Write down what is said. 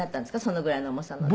そのぐらいの重さの。